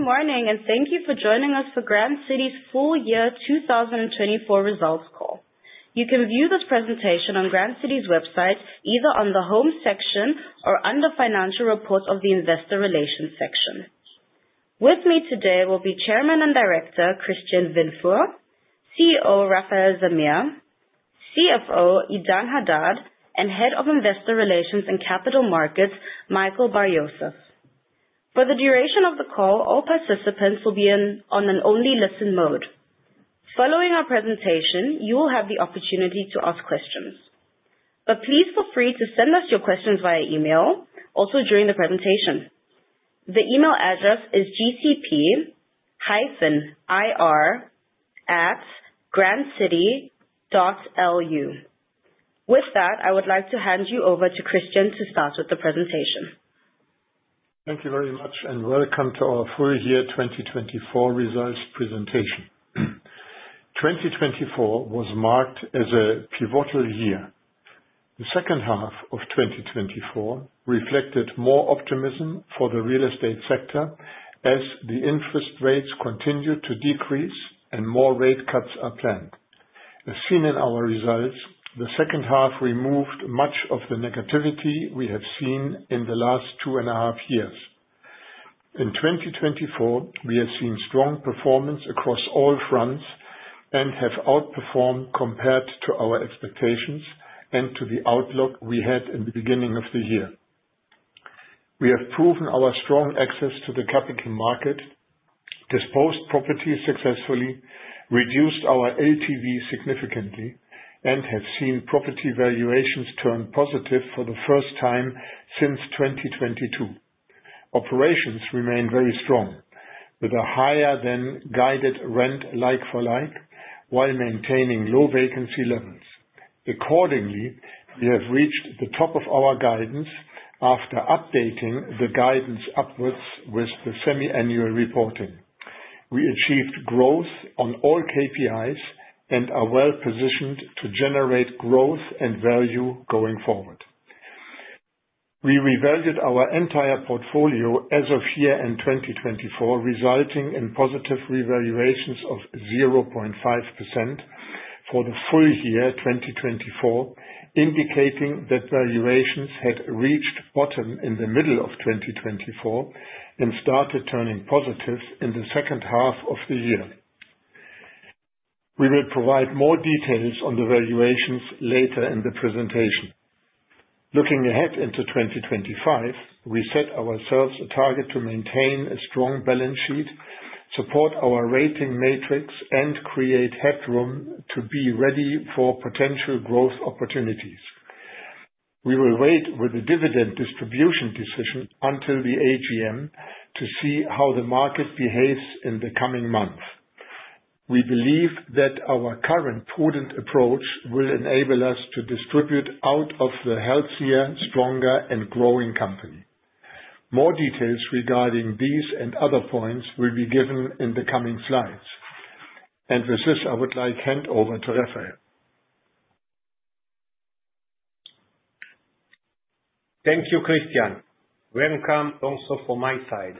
Good morning, and thank you for joining us for Grand City's full year 2024 results call. You can view this presentation on Grand City's website, either on the home section or under Financial Reports of the Investor Relations section. With me today will be Chairman and Director Christian Windfuhr, CEO Refael Zamir, CFO Idan Hadad, and Head of Investor Relations and Capital Markets Michael Bar-Yosef. For the duration of the call, all participants will be in an only listen mode. Following our presentation, you will have the opportunity to ask questions. Please feel free to send us your questions via email, also during the presentation. The email address is gcp-ir@grandcity.lu. With that, I would like to hand you over to Christian to start with the presentation. Thank you very much, and welcome to our full year 2024 results presentation. 2024 was marked as a pivotal year. The second half of 2024 reflected more optimism for the real estate sector as the interest rates continued to decrease and more rate cuts are planned. As seen in our results, the second half removed much of the negativity we have seen in the last two and a half years. In 2024, we have seen strong performance across all fronts and have outperformed compared to our expectations and to the outlook we had in the beginning of the year. We have proven our strong access to the capital market, disposed properties successfully, reduced our LTV significantly, and have seen property valuations turn positive for the first time since 2022. Operations remain very strong, with a higher than guided rent like for like, while maintaining low vacancy levels. Accordingly, we have reached the top of our guidance after updating the guidance upwards with the semi-annual reporting. We achieved growth on all KPIs and are well positioned to generate growth and value going forward. We revalued our entire portfolio as of year end 2024, resulting in positive revaluations of 0.5% for the full year 2024, indicating that valuations had reached bottom in the middle of 2024 and started turning positive in the second half of the year. We will provide more details on the valuations later in the presentation. Looking ahead into 2025, we set ourselves a target to maintain a strong balance sheet, support our rating metrics, and create headroom to be ready for potential growth opportunities. We will wait with the dividend distribution decision until the AGM to see how the market behaves in the coming months. We believe that our current prudent approach will enable us to distribute out of the healthier, stronger, and growing company. More details regarding these and other points will be given in the coming slides. With this, I would like to hand over to Refael. Thank you, Christian. Welcome also from my side.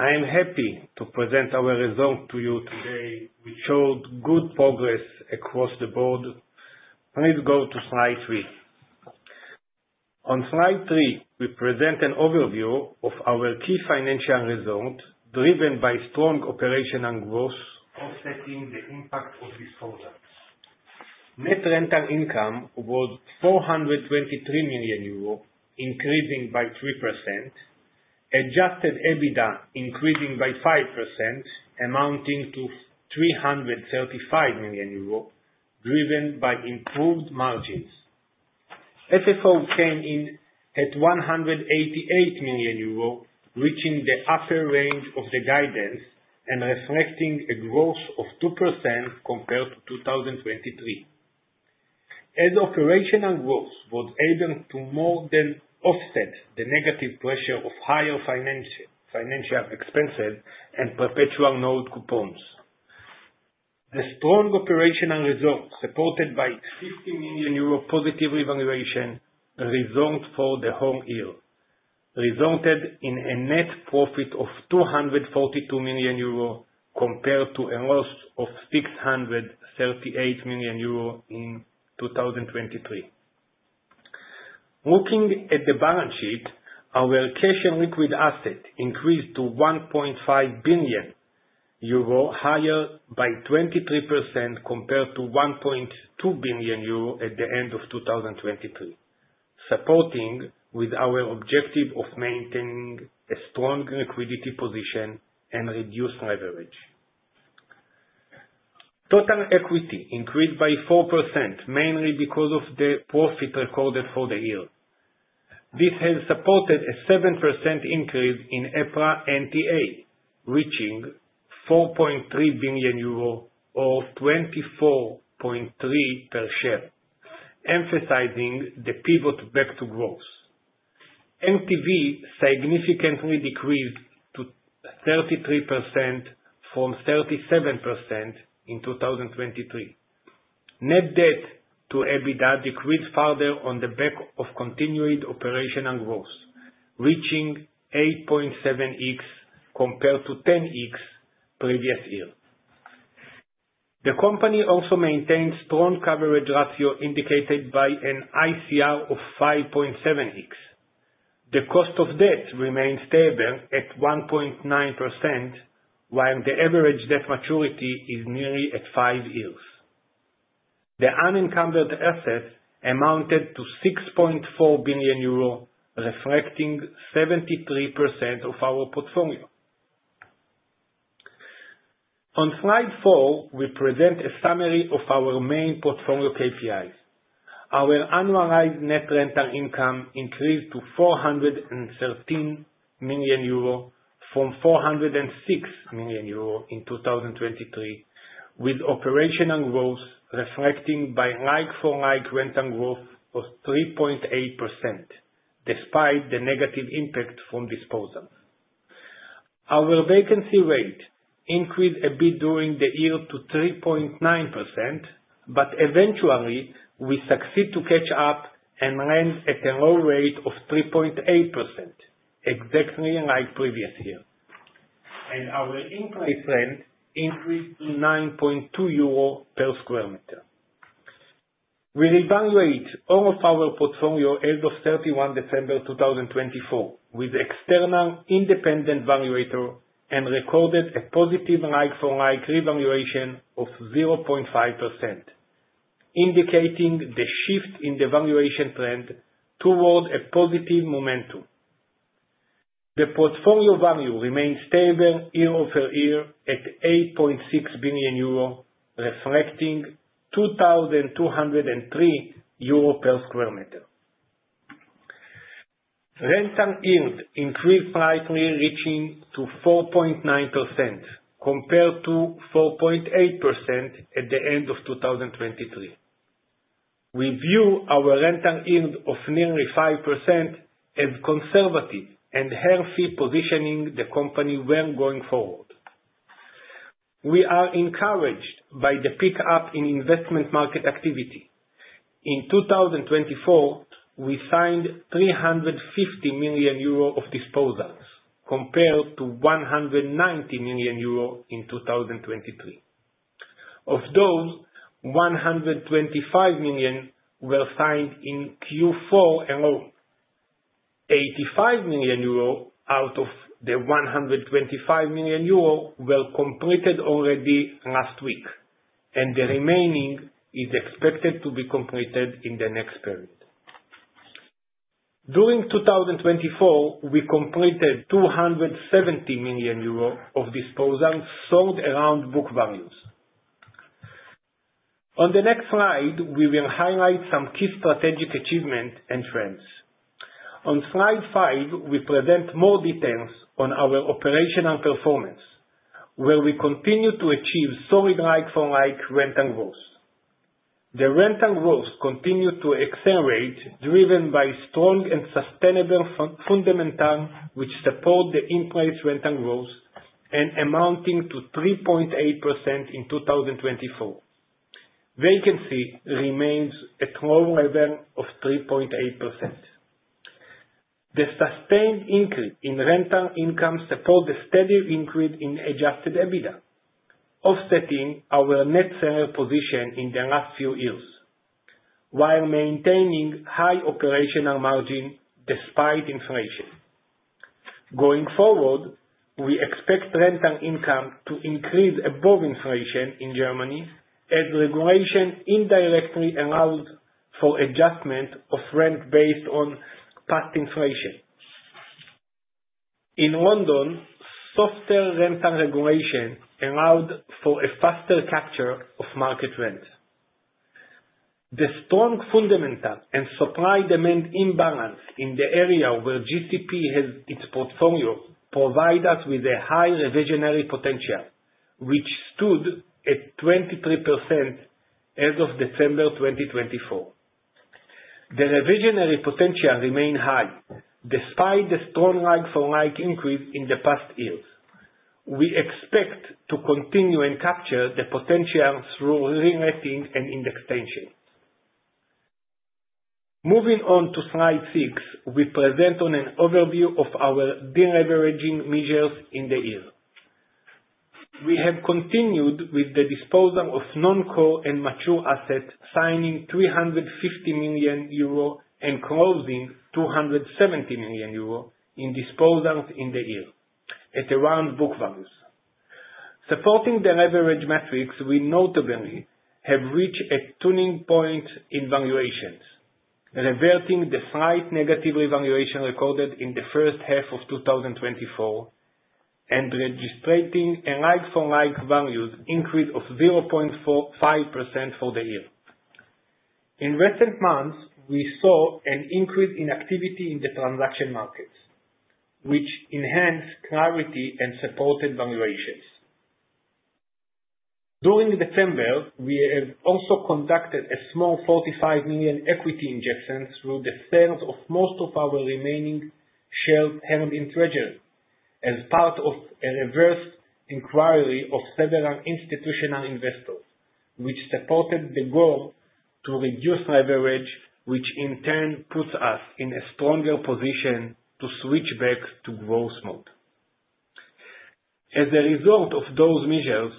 I am happy to present our result to you today. We showed good progress across the board. Please go to slide three. On slide three, we present an overview of our key financial result, driven by strong operational growth offsetting the impact of disposals. Net rental income was 423 million euro, increasing by 3%, adjusted EBITDA increasing by 5%, amounting to 335 million euro, driven by improved margins. FFO came in at 188 million euro, reaching the upper range of the guidance and reflecting a growth of 2% compared to 2023. As operational growth was able to more than offset the negative pressure of higher financial expenses and perpetual note coupons, the strong operational result, supported by its 50 million euro positive revaluation, resulted for the whole year, resulted in a net profit of 242 million euro compared to a loss of 638 million euro in 2023. Looking at the balance sheet, our cash and liquid asset increased to 1.5 billion euro, higher by 23% compared to 1.2 billion euro at the end of 2023, supporting our objective of maintaining a strong liquidity position and reduced leverage. Total equity increased by 4%, mainly because of the profit recorded for the year. This has supported a 7% increase in EPRA NTA, reaching 4.3 billion euro, or 24.3 per share, emphasizing the pivot back to growth. LTV significantly decreased to 33% from 37% in 2023. Net debt-to-EBITDA decreased further on the back of continued operational growth, reaching 8.7x compared to 10x previous year. The company also maintains a strong coverage ratio indicated by an ICR of 5.7x. The cost of debt remains stable at 1.9%, while the average debt maturity is nearly at five years. The unencumbered assets amounted to 6.4 billion euro, reflecting 73% of our portfolio. On slide four, we present a summary of our main portfolio KPIs. Our annualized net rental income increased to 413 million euro from 406 million euro in 2023, with operational growth reflecting by like for like rental growth of 3.8%, despite the negative impact from disposals. Our vacancy rate increased a bit during the year to 3.9%, but eventually, we succeeded to catch up and rent at a low rate of 3.8%, exactly like previous year. Our in-place rent increased to 9.2 euro per sq m. We revaluated all of our portfolio as of 31 December 2024 with external independent valuator and recorded a positive like for like revaluation of 0.5%, indicating the shift in the valuation trend toward a positive momentum. The portfolio value remained stable year-over-year at 8.6 billion euro, reflecting 2,203 euro per sq m. Rental yield increased slightly, reaching to 4.9% compared to 4.8% at the end of 2023. We view our rental yield of nearly 5% as conservative and healthy positioning the company when going forward. We are encouraged by the pickup in investment market activity. In 2024, we signed 350 million euro of disposals compared to 190 million euro in 2023. Of those, 125 million were signed in Q4 alone. 85 million euro out of the 125 million euro were completed already last week, and the remaining is expected to be completed in the next period. During 2024, we completed 270 million euros of disposals sold around book values. On the next slide, we will highlight some key strategic achievements and trends. On slide five, we present more details on our operational performance, where we continue to achieve solid like for like rental growth. The rental growth continued to accelerate, driven by strong and sustainable fundamentals which support the in-place rental growth and amounting to 3.8% in 2024. Vacancy remains at a low level of 3.8%. The sustained increase in rental income supports the steady increase in adjusted EBITDA, offsetting our net seller position in the last few years, while maintaining high operational margin despite inflation. Going forward, we expect rental income to increase above inflation in Germany as regulation indirectly allows for adjustment of rent based on past inflation. In London, softer rental regulation allows for a faster capture of market rent. The strong fundamental and supply-demand imbalance in the area where GCP has its portfolio provides us with a high reversionary potential, which stood at 23% as of December 2024. The reversionary potential remains high despite the strong like-for-like increase in the past years. We expect to continue and capture the potential through re-rating and indexation. Moving on to slide six, we present an overview of our de-leveraging measures in the year. We have continued with the disposal of non-core and mature assets, signing 350 million euro and closing 270 million euro in disposals in the year at around book values. Supporting the leverage metrics, we notably have reached a turning point in valuations, reverting the slight negative revaluation recorded in the first half of 2024 and registering a like-for-like values increase of 0.5% for the year. In recent months, we saw an increase in activity in the transaction markets, which enhanced clarity and supported valuations. During December, we have also conducted a small 45 million equity injection through the sales of most of our remaining shares held in treasury as part of a reverse inquiry of several institutional investors, which supported the goal to reduce leverage, which in turn puts us in a stronger position to switch back to growth mode. As a result of those measures,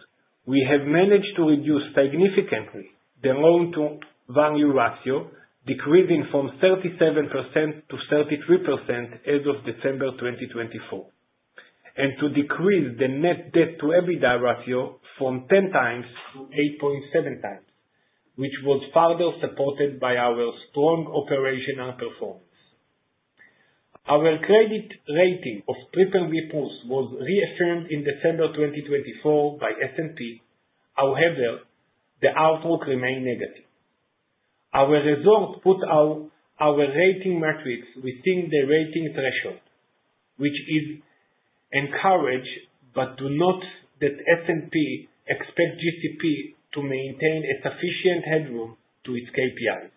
we have managed to reduce significantly the loan-to-value ratio, decreasing from 37% to 33% as of December 2024, and to decrease the net debt-to-EBITDA ratio from 10x to 8.7x, which was further supported by our strong operational performance. Our credit rating of [prepared reports] was reaffirmed in December 2024 by S&P. However, the outlook remained negative. Our result put our rating metrics within the rating threshold, which is encouraged, but do not let S&P expect GCP to maintain a sufficient headroom to its KPIs.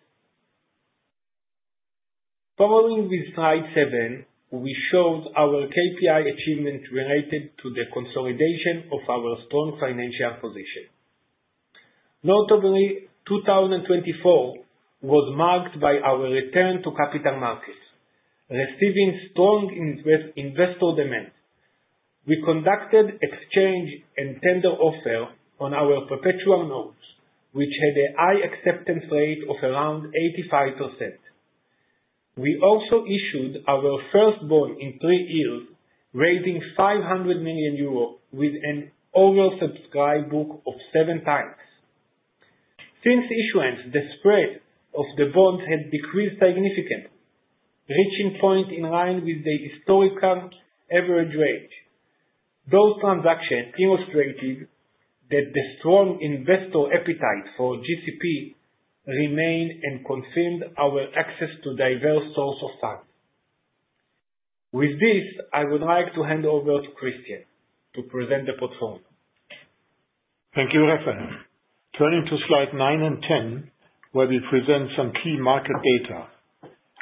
Following with slide seven, we showed our KPI achievements related to the consolidation of our strong financial position. Notably, 2024 was marked by our return to capital markets, receiving strong investor demand. We conducted exchange and tender offer on our perpetual notes, which had a high acceptance rate of around 85%. We also issued our first bond in three years, raising 500 million euros with an oversubscribed book of seven times. Since issuance, the spread of the bonds had decreased significantly, reaching points in line with the historical average range. Those transactions illustrated that the strong investor appetite for GCP remained and confirmed our access to diverse sources of funds. With this, I would like to hand over to Christian to present the portfolio. Thank you, Refael. Turning to slide nine and ten, where we present some key market data.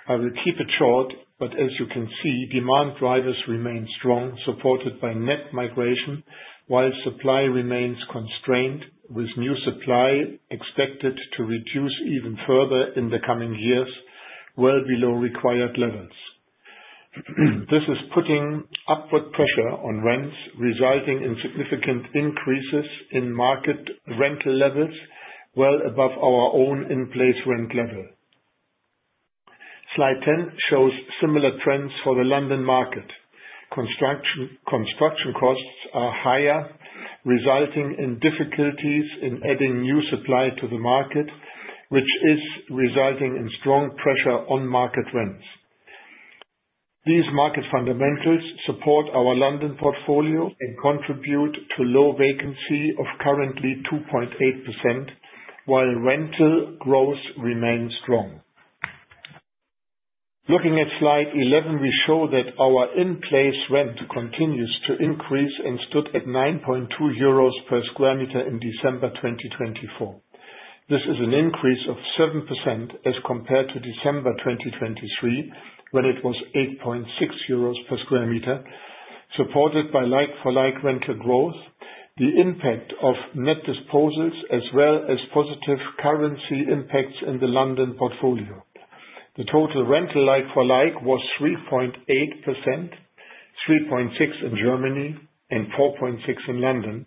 I will keep it short, but as you can see, demand drivers remain strong, supported by net migration, while supply remains constrained, with new supply expected to reduce even further in the coming years, well below required levels. This is putting upward pressure on rents, resulting in significant increases in market rental levels, well above our own in-place rent level. Slide 10 shows similar trends for the London market. Construction costs are higher, resulting in difficulties in adding new supply to the market, which is resulting in strong pressure on market rents. These market fundamentals support our London portfolio and contribute to low vacancy of currently 2.8%, while rental growth remains strong. Looking at slide 11, we show that our in-place rent continues to increase and stood at 9.2 euros per sq m in December 2024. This is an increase of 7% as compared to December 2023, when it was 8.6 euros per sq m, supported by like-for-like rental growth, the impact of net disposals, as well as positive currency impacts in the London portfolio. The total rental like-for-like was 3.8%, 3.6% in Germany and 4.6% in London,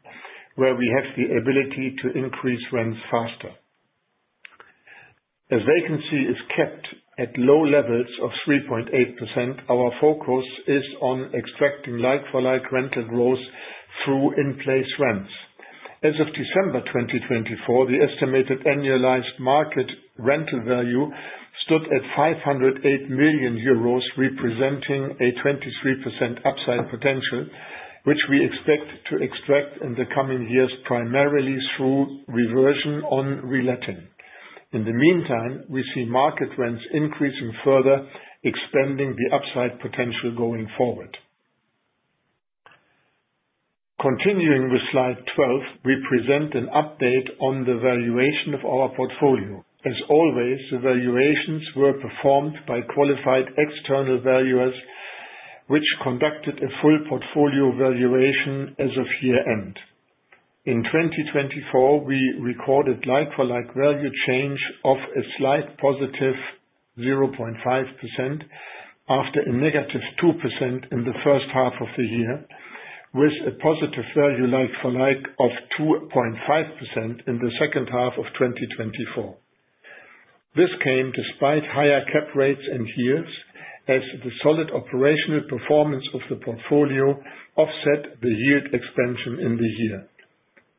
where we have the ability to increase rents faster. As vacancy is kept at low levels of 3.8%, our focus is on extracting like-for-like rental growth through in-place rents. As of December 2024, the estimated annualized market rental value stood at 508 million euros, representing a 23% upside potential, which we expect to extract in the coming years primarily through reversion on re-letting. In the meantime, we see market rents increasing further, expanding the upside potential going forward. Continuing with slide 12, we present an update on the valuation of our portfolio. As always, the valuations were performed by qualified external valuers, which conducted a full portfolio valuation as of year-end. In 2024, we recorded like-for-like value change of a slight positive 0.5% after a negative 2% in the first half of the year, with a positive value like-for-like of 2.5% in the second half of 2024. This came despite higher cap rates and yields, as the solid operational performance of the portfolio offset the yield expansion in the year.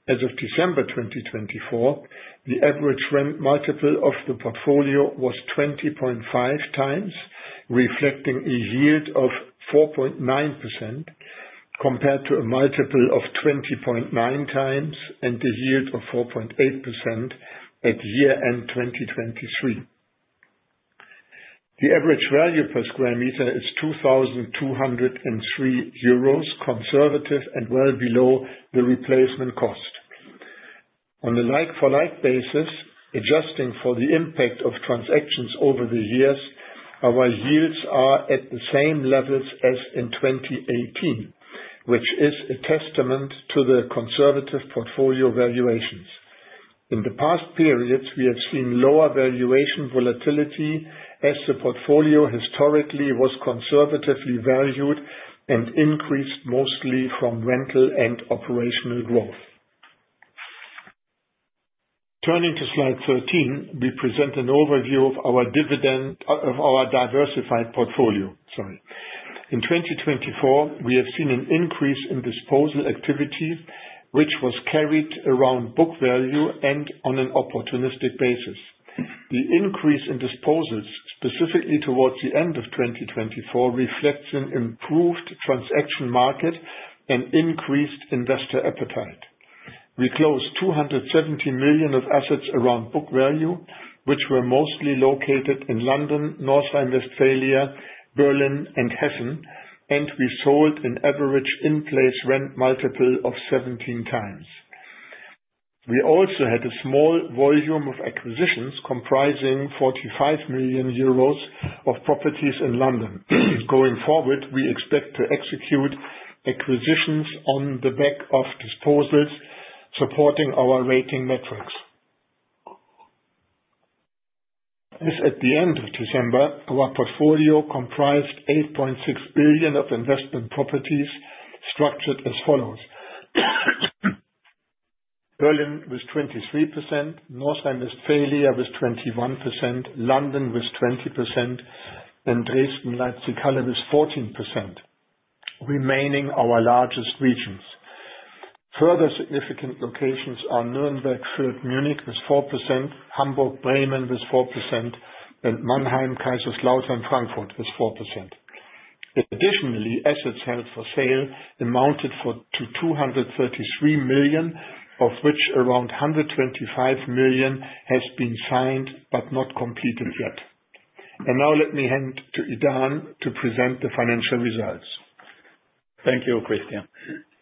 As of December 2024, the average rent multiple of the portfolio was 20.5x, reflecting a yield of 4.9% compared to a multiple of 20.9x and a yield of 4.8% at year-end 2023. The average value per sq m is 2,203 euros, conservative and well below the replacement cost. On a like-for-like basis, adjusting for the impact of transactions over the years, our yields are at the same levels as in 2018, which is a testament to the conservative portfolio valuations. In the past periods, we have seen lower valuation volatility as the portfolio historically was conservatively valued and increased mostly from rental and operational growth. Turning to slide 13, we present an overview of our diversified portfolio. In 2024, we have seen an increase in disposal activity, which was carried around book value and on an opportunistic basis. The increase in disposals, specifically towards the end of 2024, reflects an improved transaction market and increased investor appetite. We closed 270 million of assets around book value, which were mostly located in London, North Rhine-Westphalia, Berlin, and Hessen, and we sold at an average in-place rent multiple of 17x. We also had a small volume of acquisitions comprising 45 million euros of properties in London. Going forward, we expect to execute acquisitions on the back of disposals supporting our rating metrics. As at the end of December, our portfolio comprised 8.6 billion of investment properties structured as follows: Berlin with 23%, North Rhine-Westphalia with 21%, London with 20%, and Dresden, Leipzig, Halle with 14%, remaining our largest regions. Further significant locations are Nürnberg, Fürth, Munich with 4%, Hamburg, Bremen with 4%, and Mannheim, Kaiserslautern, Frankfurt with 4%. Additionally, assets held for sale amounted to 233 million, of which around 125 million has been signed but not completed yet. Let me hand to Idan to present the financial results. Thank you, Christian.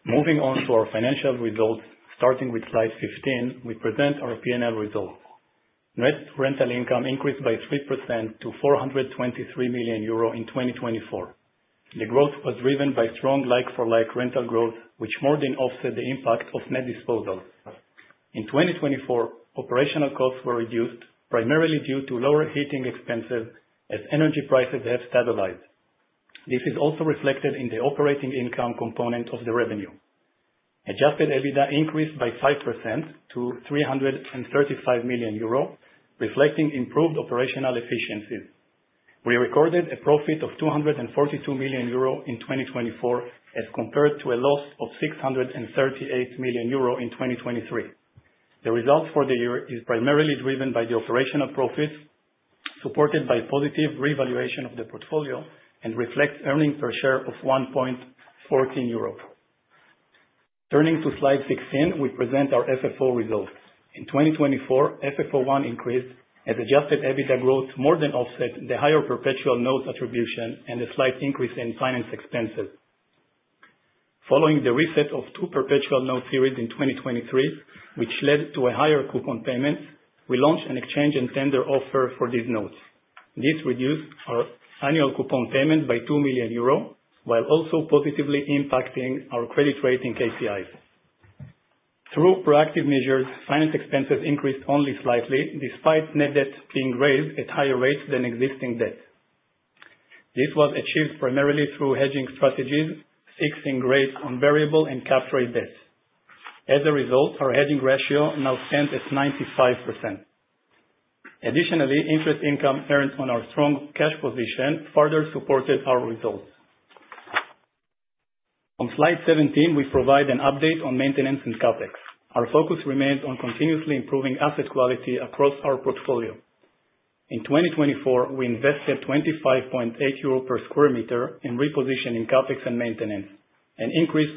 Moving on to our financial results, starting with slide fifteen, we present our P&L results. Net rental income increased by 3% to 423 million euro in 2024. The growth was driven by strong like-for-like rental growth, which more than offset the impact of net disposals. In 2024, operational costs were reduced, primarily due to lower heating expenses as energy prices have stabilized. This is also reflected in the operating income component of the revenue. Adjusted EBITDA increased by 5% to 335 million euro, reflecting improved operational efficiencies. We recorded a profit of 242 million euro in 2024 as compared to a loss of 638 million euro in 2023. The result for the year is primarily driven by the operational profits, supported by positive revaluation of the portfolio, and reflects earnings per share of 1.14 euro. Turning to slide 16, we present our FFO results. In 2024, FFO 1 increased as adjusted EBITDA growth more than offset the higher perpetual notes attribution and a slight increase in finance expenses. Following the reset of two perpetual notes series in 2023, which led to a higher coupon payment, we launched an exchange and tender offer for these notes. This reduced our annual coupon payment by 2 million euro, while also positively impacting our credit rating KPIs. Through proactive measures, finance expenses increased only slightly, despite net debt being raised at higher rates than existing debt. This was achieved primarily through hedging strategies, fixing rates on variable and cap rate debts. As a result, our hedging ratio now stands at 95%. Additionally, interest income earned on our strong cash position further supported our results. On slide 17, we provide an update on maintenance and CapEx. Our focus remains on continuously improving asset quality across our portfolio. In 2024, we invested 25.8 euro per sq m in repositioning CapEx and maintenance, an increase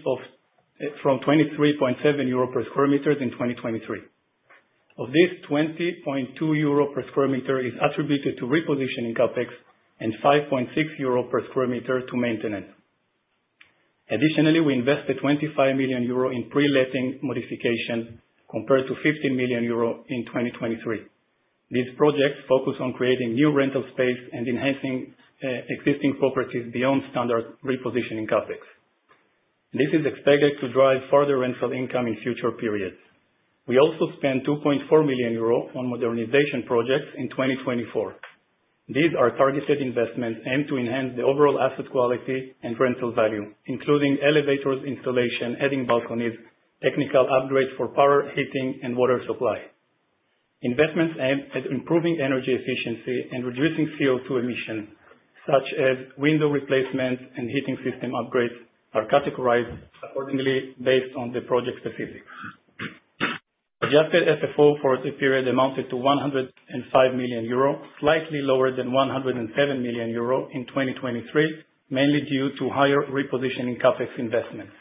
from 23.7 euro per sq m in 2023. Of this, 20.2 euro per sq m is attributed to repositioning CapEx and 5.6 euro per sq m to maintenance. Additionally, we invested 25 million euro in pre-letting modification compared to 15 million euro in 2023. These projects focus on creating new rental space and enhancing existing properties beyond standard repositioning CapEx. This is expected to drive further rental income in future periods. We also spent 2.4 million euro on modernization projects in 2024. These are targeted investments aimed to enhance the overall asset quality and rental value, including elevators installation, adding balconies, technical upgrades for power, heating, and water supply. Investments aimed at improving energy efficiency and reducing CO2 emissions, such as window replacements and heating system upgrades, are categorized accordingly based on the project specifics. Adjusted FFO for the period amounted to 105 million euro, slightly lower than 107 million euro in 2023, mainly due to higher repositioning CapEx investments.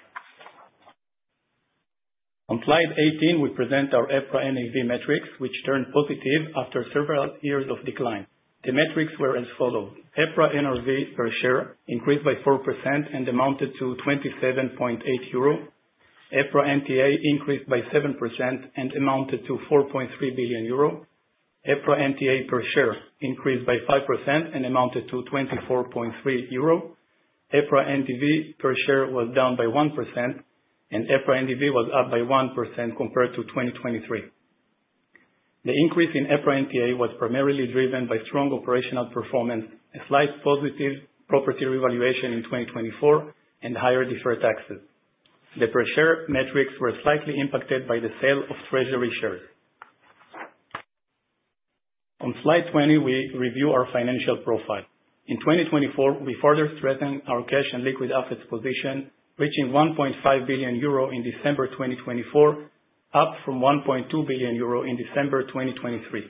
On slide 18, we present our EPRA NAV metrics, which turned positive after several years of decline. The metrics were as follows: EPRA NRV per share increased by 4% and amounted to 27.8 euro; EPRA NTA increased by 7% and amounted to 4.3 billion euro; EPRA NTA per share increased by 5% and amounted to 24.3 euro; EPRA NDV per share was down by 1%, and EPRA NDV was up by 1% compared to 2023. The increase in EPRA NTA was primarily driven by strong operational performance, a slight positive property revaluation in 2024, and higher deferred taxes. The per share metrics were slightly impacted by the sale of treasury shares. On slide 20, we review our financial profile. In 2024, we further strengthened our cash and liquid assets position, reaching 1.5 billion euro in December 2024, up from 1.2 billion euro in December 2023.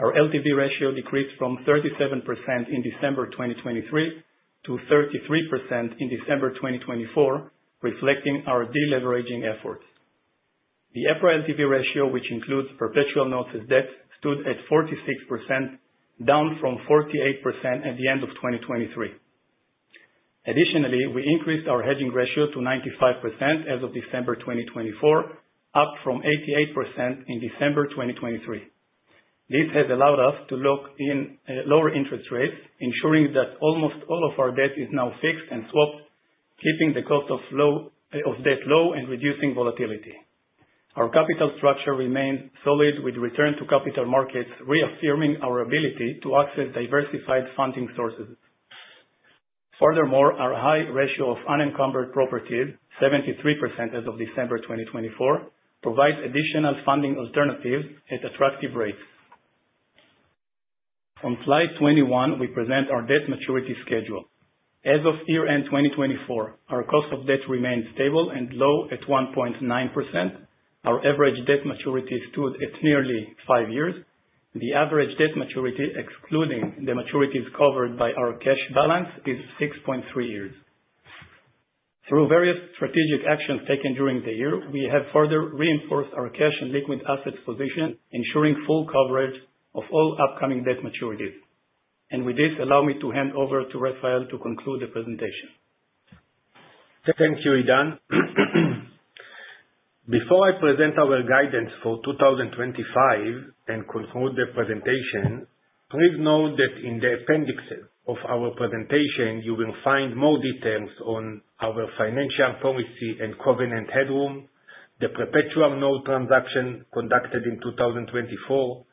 Our LTV ratio decreased from 37% in December 2023 to 33% in December 2024, reflecting our deleveraging efforts. The EPRA LTV ratio, which includes perpetual notes as debt, stood at 46%, down from 48% at the end of 2023. Additionally, we increased our hedging ratio to 95% as of December 2024, up from 88% in December 2023. This has allowed us to lock in lower interest rates, ensuring that almost all of our debt is now fixed and swapped, keeping the cost of debt low and reducing volatility. Our capital structure remains solid, with return to capital markets reaffirming our ability to access diversified funding sources. Furthermore, our high ratio of unencumbered properties, 73% as of December 2024, provides additional funding alternatives at attractive rates. On slide 21, we present our debt maturity schedule. As of year-end 2024, our cost of debt remained stable and low at 1.9%. Our average debt maturity stood at nearly five years. The average debt maturity, excluding the maturities covered by our cash balance, is 6.3 years. Through various strategic actions taken during the year, we have further reinforced our cash and liquid assets position, ensuring full coverage of all upcoming debt maturities. Allow me to hand over to Refael to conclude the presentation. Thank you, Idan. Before I present our guidance for 2025 and conclude the presentation, please note that in the appendixes of our presentation, you will find more details on our financial policy and covenant headroom, the perpetual note transaction conducted in 2024,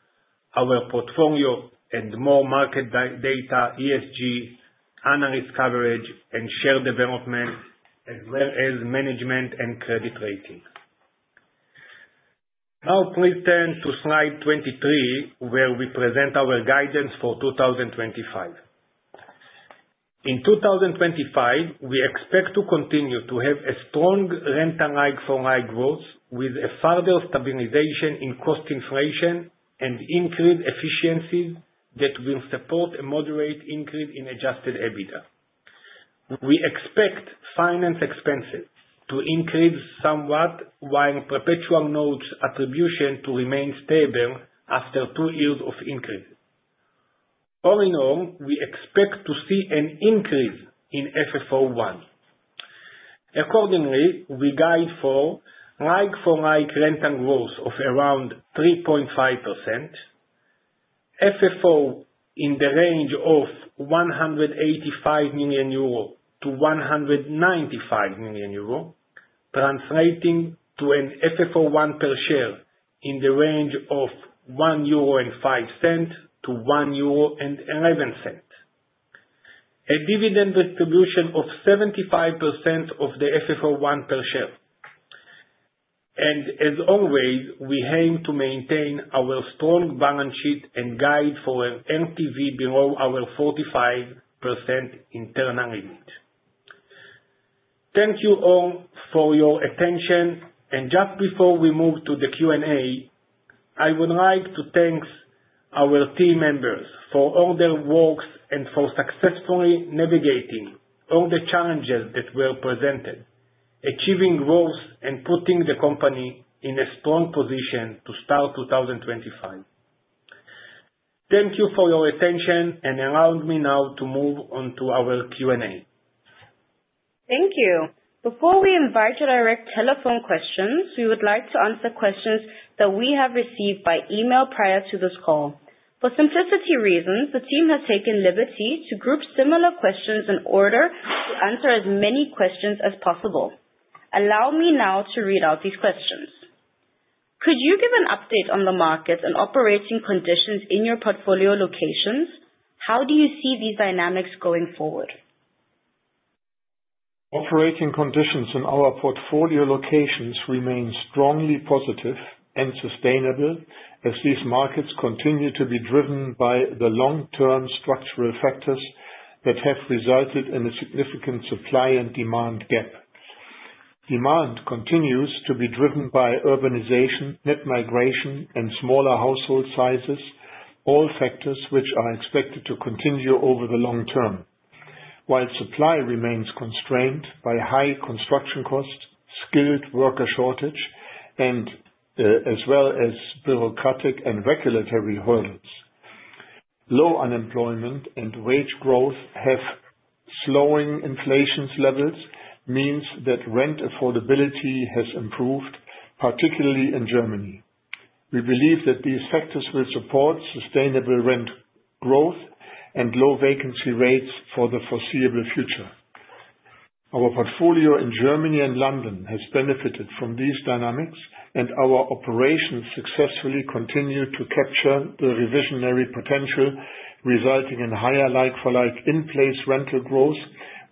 our portfolio, and more market data, ESG, analyst coverage, and share development, as well as management and credit rating. Now, please turn to slide 23, where we present our guidance for 2025. In 2025, we expect to continue to have a strong rental like-for-like growth, with a further stabilization in cost inflation and increased efficiencies that will support a moderate increase in adjusted EBITDA. We expect finance expenses to increase somewhat, while perpetual notes attribution to remain stable after two years of increase. All in all, we expect to see an increase in FFO 1. Accordingly, we guide for like-for-like rental growth of around 3.5%, FFO 1 in the range of 185 million-195 million euro, translating to an FFO 1 per share in the range of 1.05-1.11 euro, a dividend distribution of 75% of the FFO 1 per share. As always, we aim to maintain our strong balance sheet and guide for an LTV below our 45% internal limit. Thank you all for your attention. Just before we move to the Q&A, I would like to thank our team members for all their work and for successfully navigating all the challenges that were presented, achieving growth, and putting the company in a strong position to start 2025. Thank you for your attention, and allow me now to move on to our Q&A. Thank you. Before we invite you to direct telephone questions, we would like to answer questions that we have received by email prior to this call. For simplicity reasons, the team has taken liberty to group similar questions in order to answer as many questions as possible. Allow me now to read out these questions. Could you give an update on the markets and operating conditions in your portfolio locations? How do you see these dynamics going forward? Operating conditions in our portfolio locations remain strongly positive and sustainable as these markets continue to be driven by the long-term structural factors that have resulted in a significant supply and demand gap. Demand continues to be driven by urbanization, net migration, and smaller household sizes, all factors which are expected to continue over the long term, while supply remains constrained by high construction costs, skilled worker shortage, as well as bureaucratic and regulatory hurdles. Low unemployment and wage growth have, with slowing inflation levels, meant that rent affordability has improved, particularly in Germany. We believe that these factors will support sustainable rent growth and low vacancy rates for the foreseeable future. Our portfolio in Germany and London has benefited from these dynamics, and our operations successfully continue to capture the reversionary potential, resulting in higher like-for-like in-place rental growth,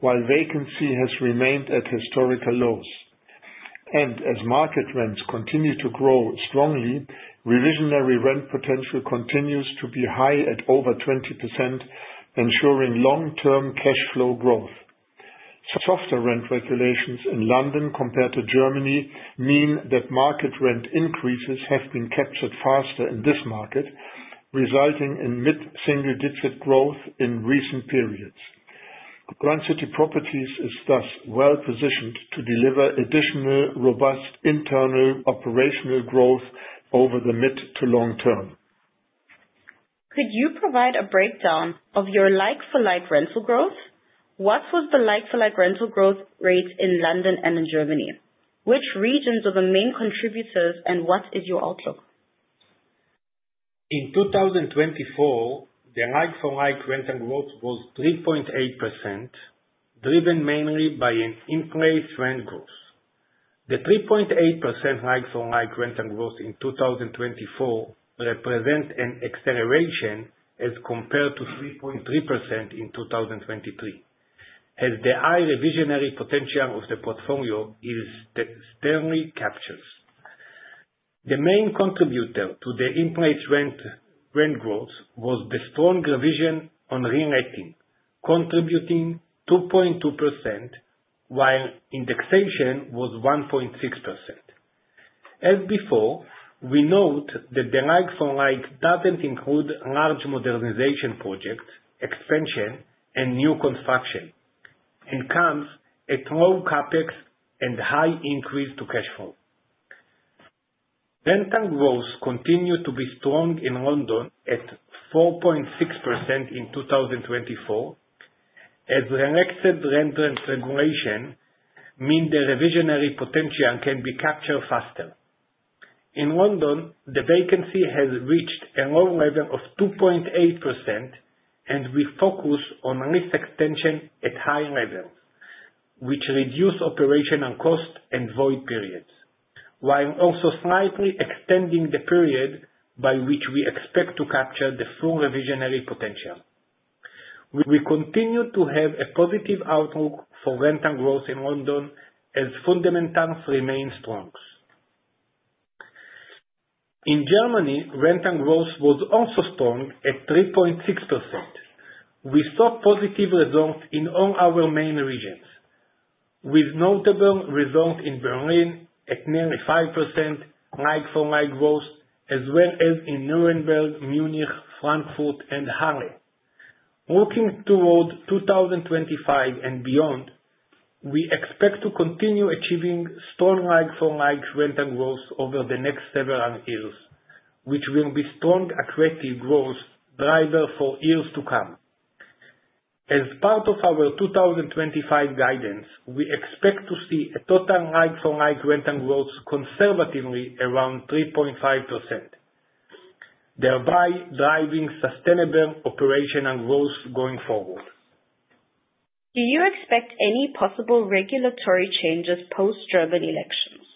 while vacancy has remained at historical lows. As market rents continue to grow strongly, reversionary rent potential continues to be high at over 20%, ensuring long-term cash flow growth. Softer rent regulations in London compared to Germany mean that market rent increases have been captured faster in this market, resulting in mid-single digit growth in recent periods. Grand City Properties is thus well positioned to deliver additional robust internal operational growth over the mid- to long-term. Could you provide a breakdown of your like-for-like rental growth? What was the like-for-like rental growth rate in London and in Germany? Which regions are the main contributors, and what is your outlook? In 2024, the like-for-like rental growth was 3.8%, driven mainly by an in-place rent growth. The 3.8% like-for-like rental growth in 2024 represents an acceleration as compared to 3.3% in 2023, as the high reversionary potential of the portfolio is [sternly] captured. The main contributor to the in-place rent growth was the strong revision on re-rating, contributing 2.2%, while indexation was 1.6%. As before, we note that the like-for-like does not include large modernization projects, expansion, and new construction, and comes at low CapEx and high increase to cash flow. Rental growth continued to be strong in London at 4.6% in 2024, as relaxed rental regulation means the reversionary potential can be captured faster. In London, the vacancy has reached a low level of 2.8%, and we focus on lease extension at high levels, which reduces operational costs and void periods, while also slightly extending the period by which we expect to capture the full reversionary potential. We continue to have a positive outlook for rental growth in London as fundamentals remain strong. In Germany, rental growth was also strong at 3.6%. We saw positive results in all our main regions, with notable results in Berlin at nearly 5% like-for-like growth, as well as in Nürnberg, Munich, Frankfurt, and Halle. Looking toward 2025 and beyond, we expect to continue achieving strong like-for-like rental growth over the next several years, which will be strong accretive growth drivers for years to come. As part of our 2025 guidance, we expect to see a total like-for-like rental growth conservatively around 3.5%, thereby driving sustainable operational growth going forward. Do you expect any possible regulatory changes post-German elections?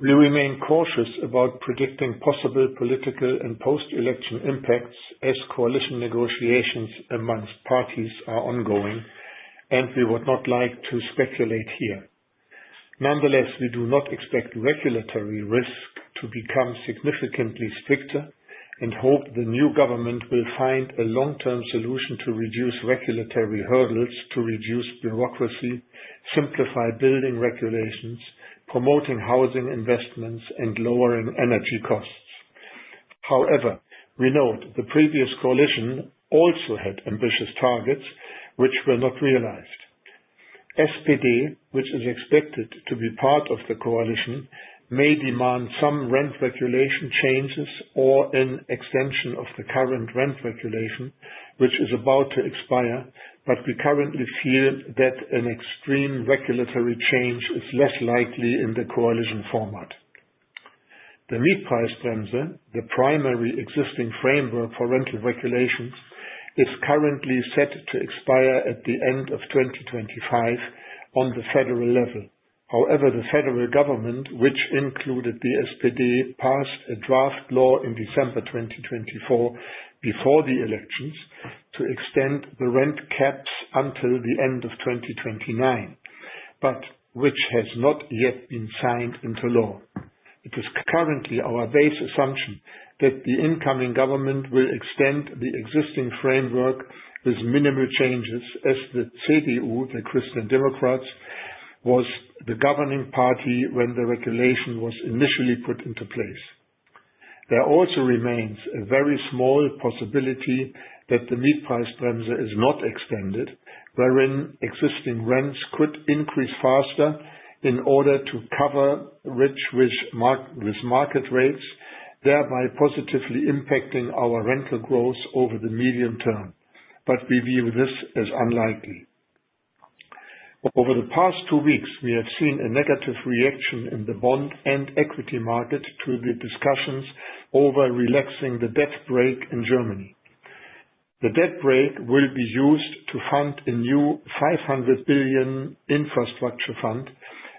We remain cautious about predicting possible political and post-election impacts as coalition negotiations amongst parties are ongoing, and we would not like to speculate here. Nonetheless, we do not expect regulatory risks to become significantly stricter and hope the new government will find a long-term solution to reduce regulatory hurdles, to reduce bureaucracy, simplify building regulations, promoting housing investments, and lowering energy costs. However, we note the previous coalition also had ambitious targets which were not realized. SPD, which is expected to be part of the coalition, may demand some rent regulation changes or an extension of the current rent regulation, which is about to expire, but we currently feel that an extreme regulatory change is less likely in the coalition format. The Mietpreisbremse, the primary existing framework for rental regulations, is currently set to expire at the end of 2025 on the federal level. However, the federal government, which included the SPD, passed a draft law in December 2024 before the elections to extend the rent caps until the end of 2029, but which has not yet been signed into law. It is currently our base assumption that the incoming government will extend the existing framework with minimal changes, as the CDU, the Christian Democrats, was the governing party when the regulation was initially put into place. There also remains a very small possibility that the Mietpreisbremse is not extended, wherein existing rents could increase faster in order to converge with market rates, thereby positively impacting our rental growth over the medium term, but we view this as unlikely. Over the past two weeks, we have seen a negative reaction in the bond and equity market to the discussions over relaxing the debt brake in Germany. The debt brake will be used to fund a new 500 billion infrastructure fund,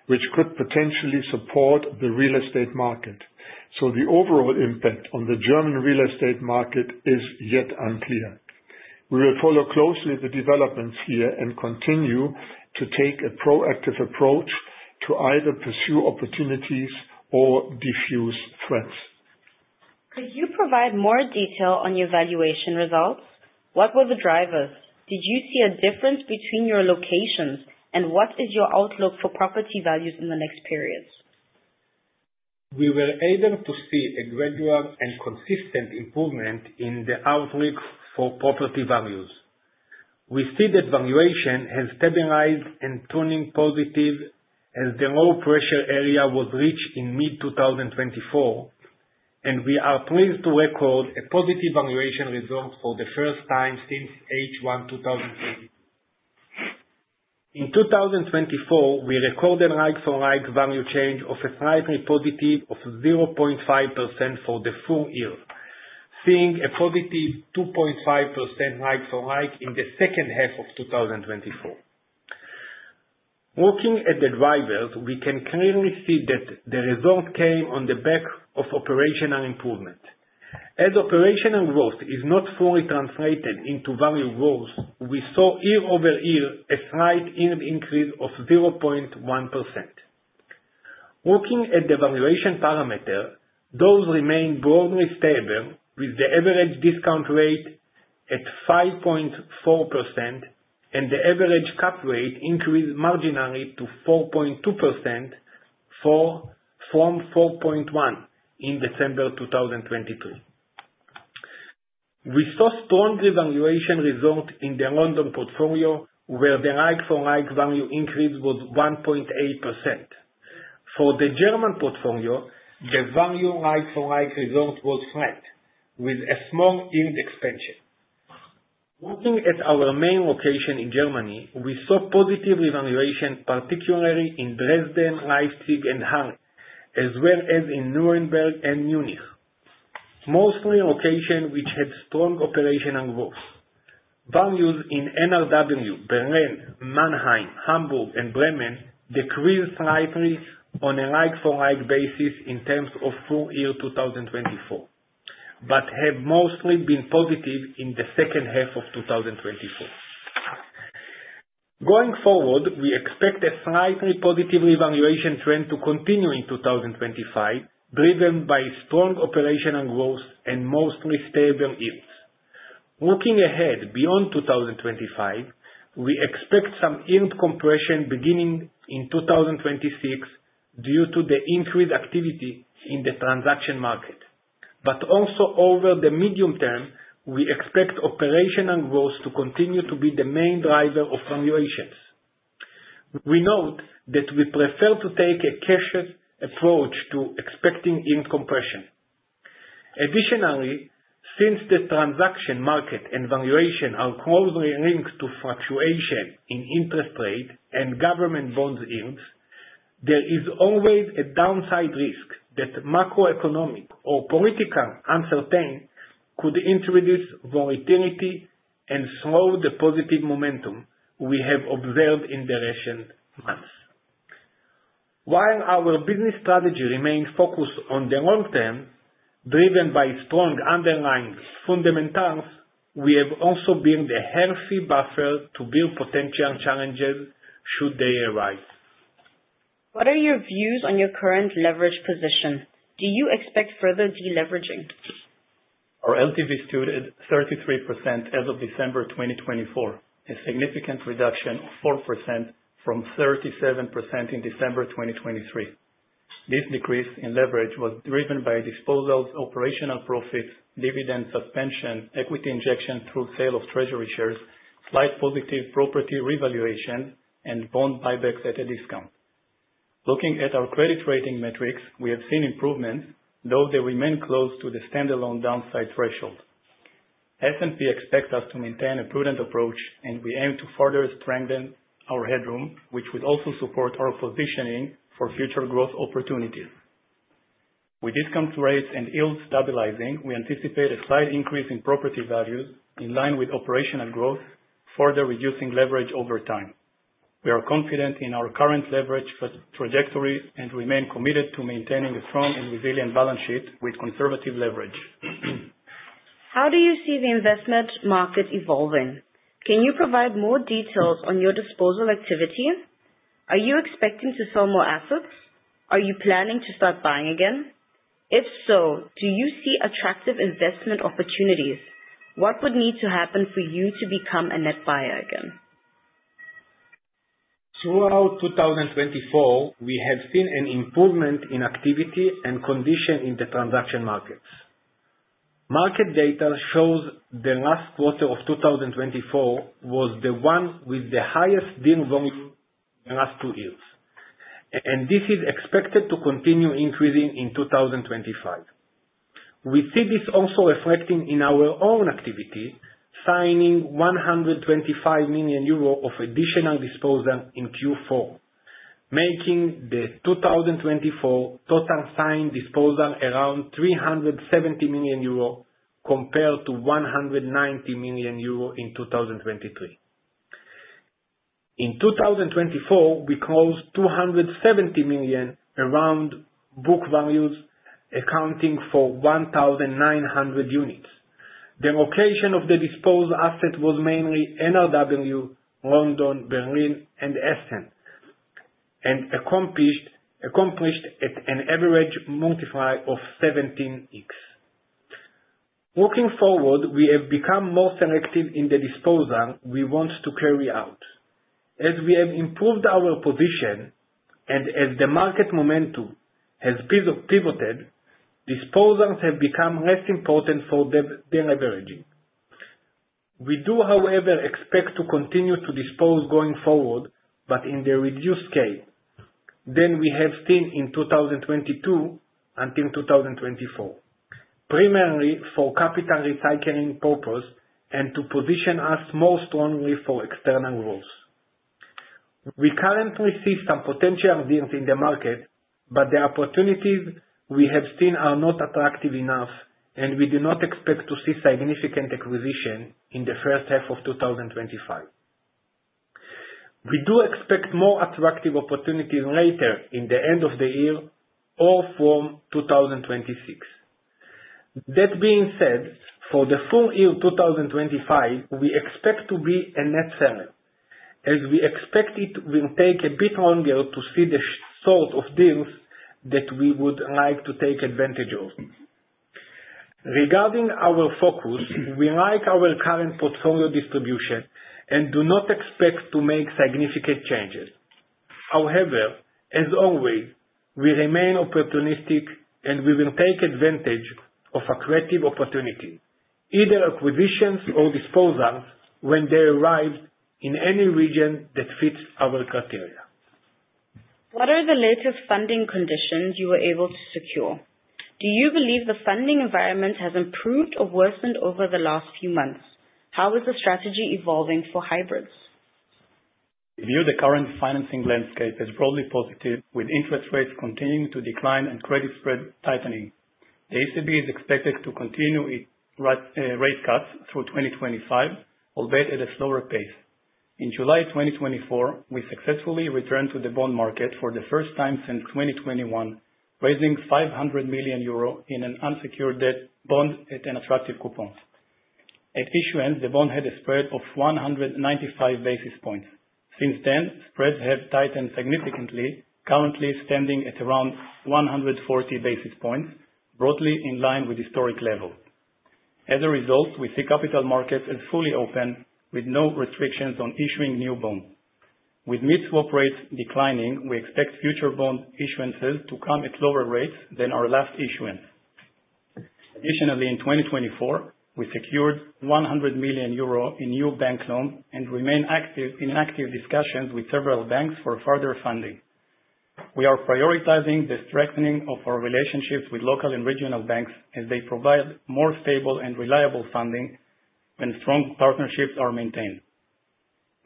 which could potentially support the real estate market. The overall impact on the German real estate market is yet unclear. We will follow closely the developments here and continue to take a proactive approach to either pursue opportunities or defuse threats. Could you provide more detail on your valuation results? What were the drivers? Did you see a difference between your locations, and what is your outlook for property values in the next periods? We were able to see a gradual and consistent improvement in the outlook for property values. We see that valuation has stabilized and is turning positive as the low pressure area was reached in mid-2024, and we are pleased to record a positive valuation result for the first time since H1 2020. In 2024, we recorded like-for-like value change of a slightly positive 0.5% for the full year, seeing a positive 2.5% like-for-like in the second half of 2024. Looking at the drivers, we can clearly see that the result came on the back of operational improvement. As operational growth is not fully translated into value growth, we saw year-over-year a slight increase of 0.1%. Looking at the valuation parameter, those remain broadly stable, with the average discount rate at 5.4% and the average cap rate increased marginally to 4.2% from 4.1% in December 2023. We saw strong devaluation result in the London portfolio, where the like for like value increase was 1.8%. For the German portfolio, the value like for like result was flat, with a small yield expansion. Looking at our main location in Germany, we saw positive revaluation, particularly in Dresden, Leipzig, and Halle, as well as in Nürnberg and Munich, mostly locations which had strong operational growth. Values in NRW, Berlin, Mannheim, Hamburg, and Bremen decreased slightly on a like for like basis in terms of full year 2024, but have mostly been positive in the second half of 2024. Going forward, we expect a slightly positive revaluation trend to continue in 2025, driven by strong operational growth and mostly stable yields. Looking ahead beyond 2025, we expect some yield compression beginning in 2026 due to the increased activity in the transaction market, but also over the medium term, we expect operational growth to continue to be the main driver of valuations. We note that we prefer to take a cautious approach to expecting yield compression. Additionally, since the transaction market and valuation are closely linked to fluctuation in interest rate and government bond yields, there is always a downside risk that macroeconomic or political uncertainty could introduce volatility and slow the positive momentum we have observed in the recent months. While our business strategy remains focused on the long term, driven by strong underlying fundamentals, we have also built a healthy buffer to build potential challenges should they arise. What are your views on your current leverage position? Do you expect further deleveraging? Our LTV stood at 33% as of December 2024, a significant reduction of 4% from 37% in December 2023. This decrease in leverage was driven by disposals, operational profits, dividend suspension, equity injection through sale of treasury shares, slight positive property revaluation, and bond buybacks at a discount. Looking at our credit rating metrics, we have seen improvements, though they remain close to the standalone downside threshold. S&P expects us to maintain a prudent approach, and we aim to further strengthen our headroom, which will also support our positioning for future growth opportunities. With discount rates and yields stabilizing, we anticipate a slight increase in property values in line with operational growth, further reducing leverage over time. We are confident in our current leverage trajectory and remain committed to maintaining a strong and resilient balance sheet with conservative leverage. How do you see the investment market evolving? Can you provide more details on your disposal activity? Are you expecting to sell more assets? Are you planning to start buying again? If so, do you see attractive investment opportunities? What would need to happen for you to become a net buyer again? Throughout 2024, we have seen an improvement in activity and condition in the transaction markets. Market data shows the last quarter of 2024 was the one with the highest deal volume in the last two years, and this is expected to continue increasing in 2025. We see this also reflecting in our own activity, signing 125 million euro of additional disposal in Q4, making the 2024 total signed disposal around 370 million euro compared to 190 million euro in 2023. In 2024, we closed 270 million around book values, accounting for 1,900 units. The location of the disposal asset was mainly NRW, London, Berlin, and Essen, and accomplished an average [multiply] of 17x. Looking forward, we have become more selective in the disposal we want to carry out. As we have improved our position and as the market momentum has pivoted, disposals have become less important for deleveraging. We do, however, expect to continue to dispose going forward, but in the reduced scale than we have seen in 2022 until 2024, primarily for capital recycling purposes and to position us more strongly for external growth. We currently see some potential yields in the market, but the opportunities we have seen are not attractive enough, and we do not expect to see significant acquisition in the first half of 2025. We do expect more attractive opportunities later in the end of the year or from 2026. That being said, for the full year 2025, we expect to be a net seller, as we expect it will take a bit longer to see the sort of deals that we would like to take advantage of. Regarding our focus, we like our current portfolio distribution and do not expect to make significant changes. However, as always, we remain opportunistic, and we will take advantage of accretive opportunities, either acquisitions or disposals, when they arrive in any region that fits our criteria. What are the latest funding conditions you were able to secure? Do you believe the funding environment has improved or worsened over the last few months? How is the strategy evolving for hybrids? We view the current financing landscape as broadly positive, with interest rates continuing to decline and credit spreads tightening. The ECB is expected to continue its rate cuts through 2025, albeit at a slower pace. In July 2024, we successfully returned to the bond market for the first time since 2021, raising 500 million euro in an unsecured debt bond at an attractive coupon. At issuance, the bond had a spread of 195 basis points. Since then, spreads have tightened significantly, currently standing at around 140 basis points, broadly in line with historic levels. As a result, we see capital markets as fully open, with no restrictions on issuing new bonds. With mid swap rates declining, we expect future bond issuances to come at lower rates than our last issuance. Additionally, in 2024, we secured 100 million euro in new bank loans and remain active in active discussions with several banks for further funding. We are prioritizing the strengthening of our relationships with local and regional banks, as they provide more stable and reliable funding when strong partnerships are maintained.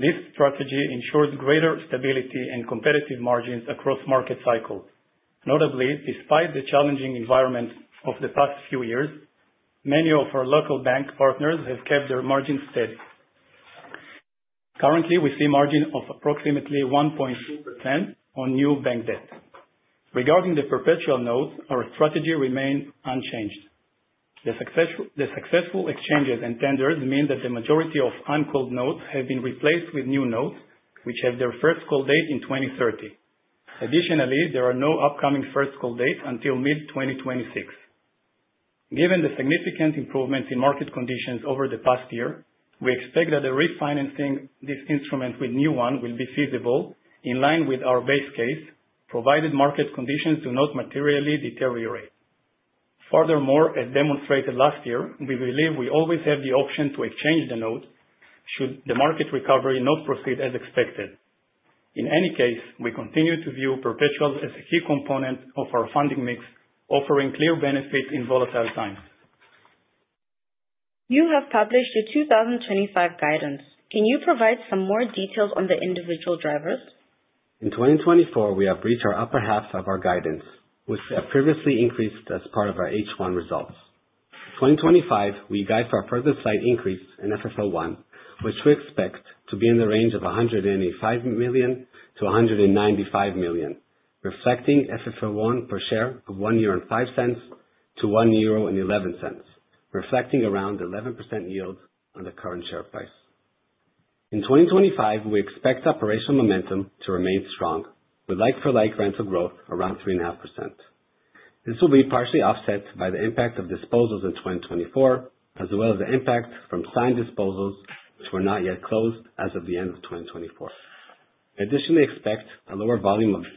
This strategy ensures greater stability and competitive margins across market cycles. Notably, despite the challenging environment of the past few years, many of our local bank partners have kept their margins steady. Currently, we see a margin of approximately 1.2% on new bank debt. Regarding the perpetual notes, our strategy remains unchanged. The successful exchanges and tenders mean that the majority of uncalled notes have been replaced with new notes, which have their first call date in 2030. Additionally, there are no upcoming first call dates until mid-2026. Given the significant improvements in market conditions over the past year, we expect that refinancing this instrument with new ones will be feasible in line with our base case, provided market conditions do not materially deteriorate. Furthermore, as demonstrated last year, we believe we always have the option to exchange the note should the market recovery not proceed as expected. In any case, we continue to view perpetuals as a key component of our funding mix, offering clear benefits in volatile times. You have published your 2025 guidance. Can you provide some more details on the individual drivers? In 2024, we have reached our upper half of our guidance, which I previously increased as part of our H1 results. In 2025, we guide for a further slight increase in FFO 1, which we expect to be in the range of 185 million-195 million, reflecting FFO 1 per share of 1.05-1.11 euro, reflecting around 11% yield on the current share price. In 2025, we expect operational momentum to remain strong with like-for-like rental growth around 3.5%. This will be partially offset by the impact of disposals in 2024, as well as the impact from signed disposals which were not yet closed as of the end of 2024. Additionally, we expect a lower volume of disposals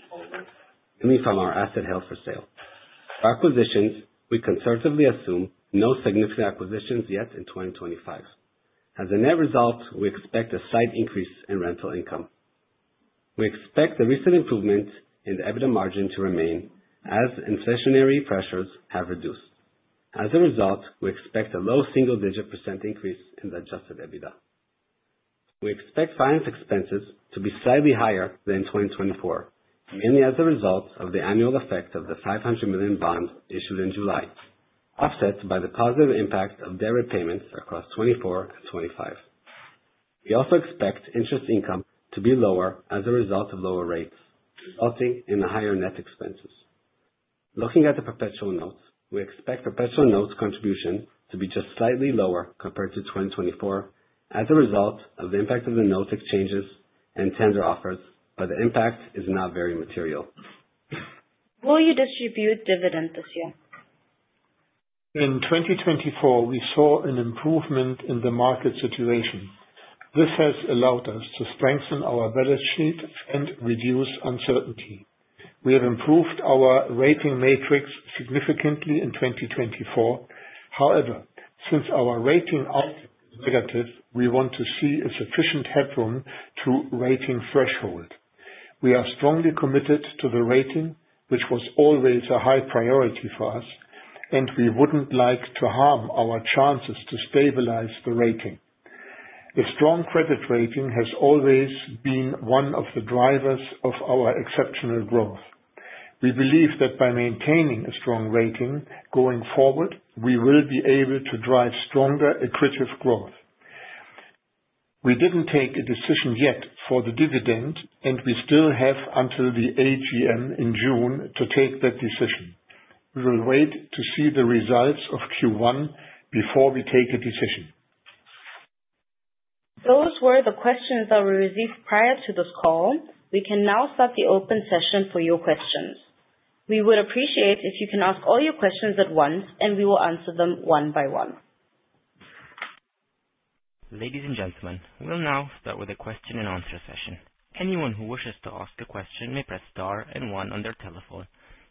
mainly from our asset held for sale. For acquisitions, we conservatively assume no significant acquisitions yet in 2025. As a net result, we expect a slight increase in rental income. We expect the recent improvement in the EBITDA margin to remain as inflationary pressures have reduced. As a result, we expect a low single-digit percent increase in the adjusted EBITDA. We expect finance expenses to be slightly higher than in 2024, mainly as a result of the annual effect of the 500 million bond issued in July, offset by the positive impact of debt repayments across 2024 and 2025. We also expect interest income to be lower as a result of lower rates, resulting in higher net expenses. Looking at the perpetual notes, we expect perpetual notes contribution to be just slightly lower compared to 2024 as a result of the impact of the note exchanges and tender offers, but the impact is not very material. Will you distribute dividend this year? In 2024, we saw an improvement in the market situation. This has allowed us to strengthen our balance sheet and reduce uncertainty. We have improved our rating metrics significantly in 2024. However, since our rating outlook is negative, we want to see a sufficient headroom to rating threshold. We are strongly committed to the rating, which was always a high priority for us, and we would not like to harm our chances to stabilize the rating. A strong credit rating has always been one of the drivers of our exceptional growth. We believe that by maintaining a strong rating going forward, we will be able to drive stronger accretive growth. We did not take a decision yet for the dividend, and we still have until the AGM in June to take that decision. We will wait to see the results of Q1 before we take a decision. Those were the questions that we received prior to this call. We can now start the open session for your questions. We would appreciate it if you can ask all your questions at once, and we will answer them one by one. Ladies and gentlemen, we'll now start with a question and answer session. Anyone who wishes to ask a question may press star and one on their telephone.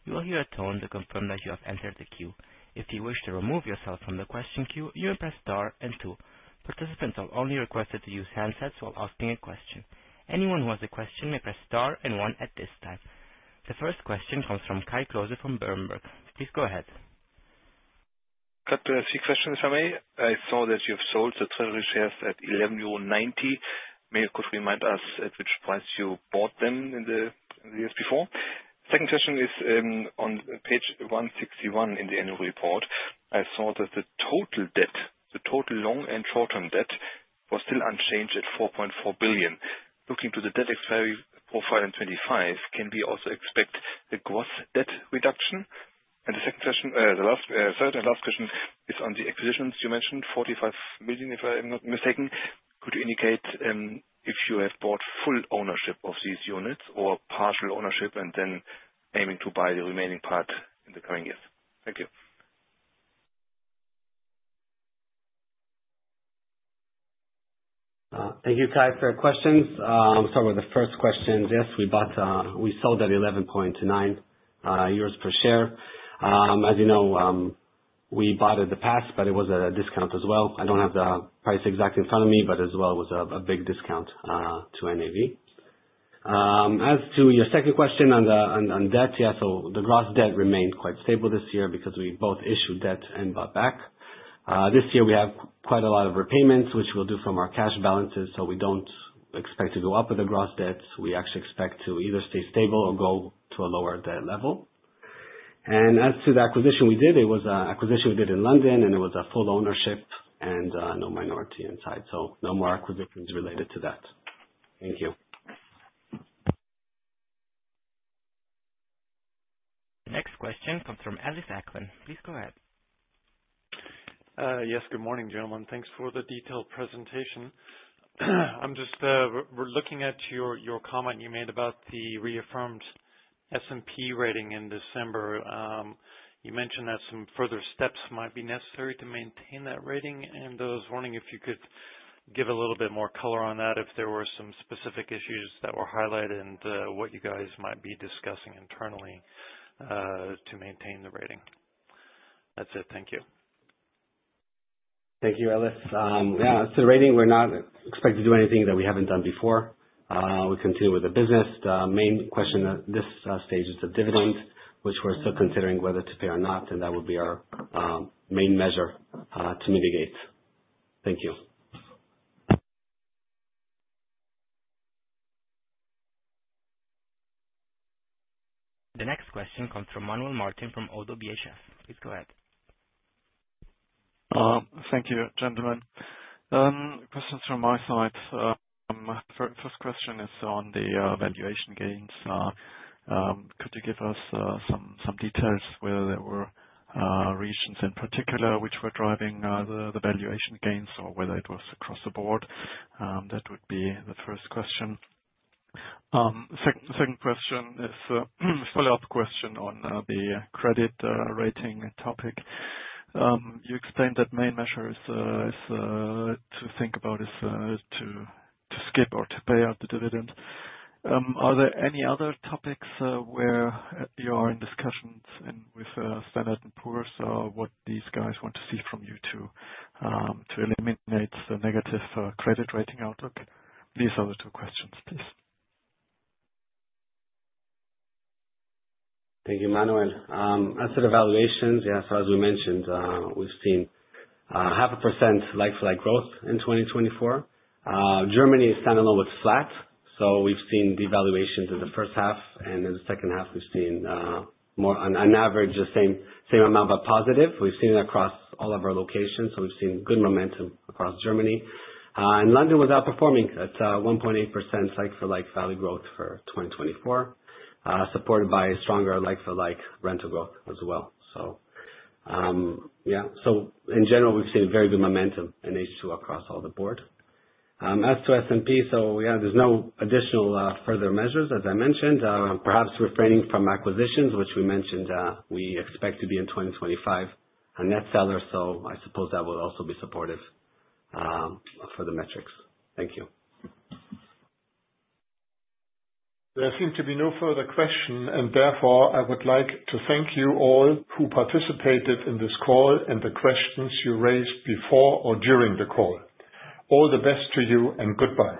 You will hear a tone to confirm that you have entered the queue. If you wish to remove yourself from the question queue, you may press star and two. Participants are only requested to use handsets while asking a question. Anyone who has a question may press star and one at this time. The first question comes from Kai Klose from Berenberg. Please go ahead. Cut to the question, if I may. I saw that you've sold the treasury shares at 11.90 euro. May you quickly remind us at which price you bought them in the years before? The second question is on page 161 in the annual report. I saw that the total debt, the total long and short-term debt, was still unchanged at 4.4 billion. Looking to the debt expiry profile in 2025, can we also expect a gross debt reduction? The second question, the third and last question, is on the acquisitions you mentioned, 45 million, if I'm not mistaken. Could you indicate if you have bought full ownership of these units or partial ownership and then aiming to buy the remaining part in the coming years? Thank you. Thank you, Kai, for your questions. I'll start with the first question. Yes, we sold at 11.90 euros per share. As you know, we bought it in the past, but it was at a discount as well. I don't have the price exact in front of me, but as well, it was a big discount to NAV. As to your second question on debt, yes, the gross debt remained quite stable this year because we both issued debt and bought back. This year, we have quite a lot of repayments, which we'll do from our cash balances, so we don't expect to go up with the gross debts. We actually expect to either stay stable or go to a lower debt level. As to the acquisition we did, it was an acquisition we did in London, and it was a full ownership and no minority inside. No more acquisitions related to that. Thank you. Next question comes from Ellis Acklin. Please go ahead. Yes, good morning, gentlemen. Thanks for the detailed presentation. I'm just looking at your comment you made about the reaffirmed S&P rating in December. You mentioned that some further steps might be necessary to maintain that rating. I was wondering if you could give a little bit more color on that if there were some specific issues that were highlighted and what you guys might be discussing internally to maintain the rating. That's it. Thank you. Thank you, Ellis. Yeah, the rating, we're not expecting to do anything that we haven't done before. We continue with the business. The main question at this stage is the dividend, which we're still considering whether to pay or not, and that will be our main measure to mitigate. Thank you. The next question comes from Manuel Martin from ODDO BHF. Please go ahead. Thank you, gentlemen. Questions from my side. First question is on the valuation gains. Could you give us some details whether there were regions in particular which were driving the valuation gains or whether it was across the board? That would be the first question. The second question is a follow-up question on the credit rating topic. You explained that the main measure is to think about is to skip or to pay out the dividend. Are there any other topics where you are in discussions with Standard & Poor's or what these guys want to see from you to eliminate the negative credit rating outlook? These are the two questions, please. Thank you, Manuel. As for the valuations, yes, as we mentioned, we've seen 0.5% like-for-like growth in 2024. Germany is standing alone with flat, so we've seen devaluations in the first half, and in the second half, we've seen more on average the same amount but positive. We've seen it across all of our locations, so we've seen good momentum across Germany. London was outperforming at 1.8% like-for-like value growth for 2024, supported by stronger like-for-like rental growth as well. In general, we've seen very good momentum in H2 across all the board. As to S&P, there are no additional further measures, as I mentioned. Perhaps refraining from acquisitions, which we mentioned we expect to be in 2025 a net seller, so I suppose that will also be supportive for the metrics. Thank you. There seem to be no further questions, and therefore, I would like to thank you all who participated in this call and the questions you raised before or during the call. All the best to you and goodbye.